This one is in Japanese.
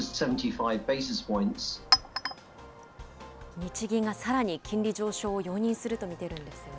日銀がさらに金利上昇を容認すると見ているんですよね。